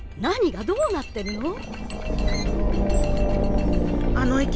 何がどうなってるの？